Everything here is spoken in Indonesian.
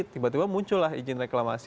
tiba tiba muncul lah izin reklamasi